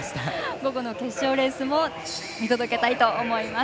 午後の決勝レースも見届けたいと思います。